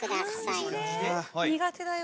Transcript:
苦手だよ。